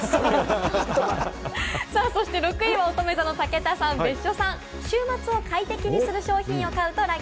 ６位は、おとめ座の武田さんと別所さん。